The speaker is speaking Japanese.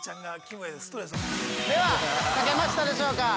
◆では書けましたでしょうか？